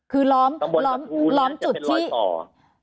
คือล้อมล้อมจุดที่ตรงบนกระทู้จะเป็นรอยต่อ